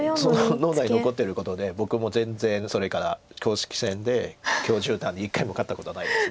脳内に残ってることで僕も全然それから公式戦で許十段に一回も勝ったことないです。